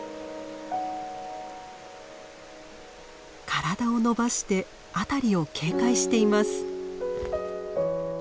体を伸ばして辺りを警戒しています。